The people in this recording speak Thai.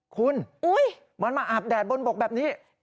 คุณมันมาอาบแดดบนบกแบบนี้